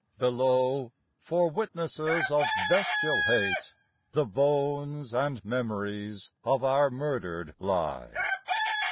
Below, for witnesses of bestial hate, The bones and memories of our murdered lie.